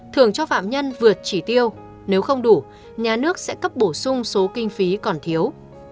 thường cho phạm nhân vượt chỉ tiêu nếu không đủ nhà nước sẽ cấp bổ sung số kinh phí còn thiếu